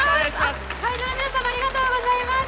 会場の皆さんもありがとうございます。